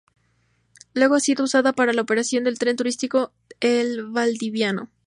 Luego ha sido usada para la operación del Tren Turístico El Valdiviano.